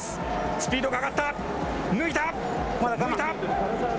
スピードが上がった、抜いた。